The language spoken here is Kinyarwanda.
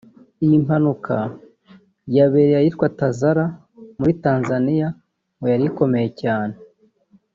Iyi mpanuka yabereye ahitwa Tazara muri Tanzaniya ngo yari ikomeye cyane